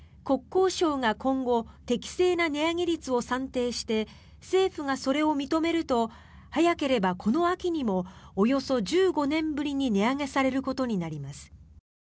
国交省が今後、適正な値上げ率を算定して政府がそれを認めると早ければこの秋にもおよそ１５年ぶりに値上げされることになります。